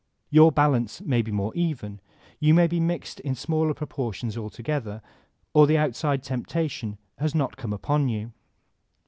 Your balance may be more even, yoo may be mixed in smaller proportions altogether, or the outside temptation has not come upon you.